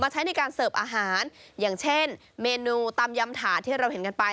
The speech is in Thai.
ใช้ในการเสิร์ฟอาหารอย่างเช่นเมนูตำยำถาที่เราเห็นกันไป